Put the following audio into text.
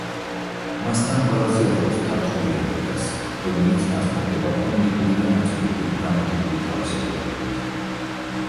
მასთან ყველაზე ახლოს თათრული ენა დგას, რომელიც განსხვავდება ფონეტიკური და ნაწილობრივ გრამატიკული თავისებურებებით.